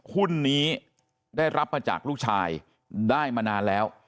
หุ้นนี้ได้รับมาจากลูกชายได้มานานแล้ว